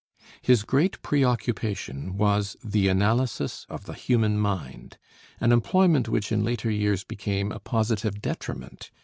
His great preoccupation was the analysis of the human mind, an employment which in later years became a positive detriment.